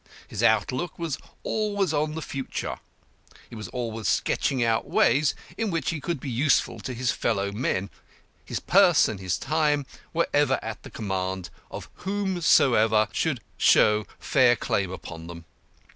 His outlook was always on the future he was always sketching out ways in which he could be useful to his fellow men. His purse and his time were ever at the command of whosoever could show fair claim upon them.